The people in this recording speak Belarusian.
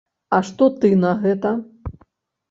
А што ты на гэта?